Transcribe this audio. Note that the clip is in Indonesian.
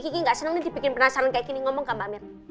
kiki gak seneng nih dibikin penasaran kayak gini ngomong ke mbak amir